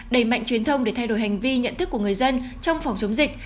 đẩy mạnh truyền thông để thay đổi hành vi nhận thức của người dân trong phòng chống dịch